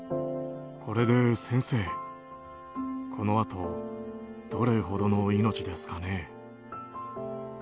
これで先生、このあとどれほどの命ですかね。